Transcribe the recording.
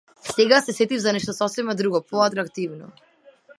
Сега се сетив за нешто сосема друго, поатрактивно.